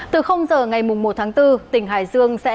từ giờ ngày một tháng bốn tỉnh hải dương sẽ